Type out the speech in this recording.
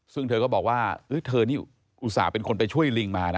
ซึ่งเธอก็บอกว่าเธอนี่อุตส่าห์เป็นคนไปช่วยลิงมานะ